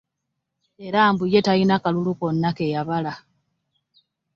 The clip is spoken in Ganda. Era mbu ye talina kalulu konna ke yabala